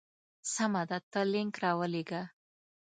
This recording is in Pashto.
سمه ده ته لینک راولېږه.